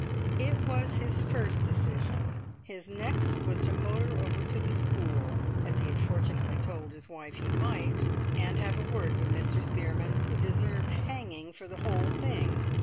It was his first decision; his next was to motor over to the school, as he had fortunately told his wife he might, and have a word with Mr. Spearman, who deserved hanging for the whole thing!